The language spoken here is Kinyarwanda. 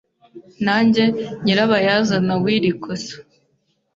Nanjye nyirabayazana w'iri kosa.